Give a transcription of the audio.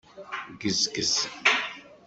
Ggezgez.